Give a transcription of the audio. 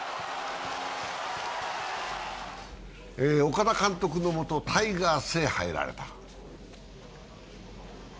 岡田監督のもと、タイガースへ入られた。